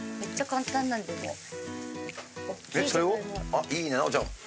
あっいいね。